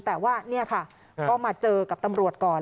แต่ว่านี่ค่ะก็มาเจอกับตำรวจก่อน